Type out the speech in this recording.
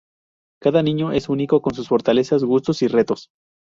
Cada niño es único con sus fortalezas, gustos y retos.